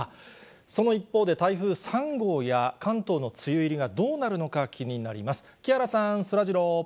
その一方で台風３号や、関東の梅雨入りがどうなるのか気になります。